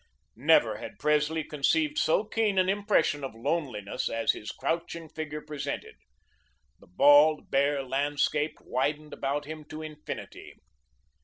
Never had Presley conceived so keen an impression of loneliness as his crouching figure presented. The bald, bare landscape widened about him to infinity.